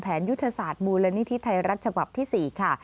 ยุทธศาสตร์มูลนิธิไทยรัฐฉบับที่๔ค่ะ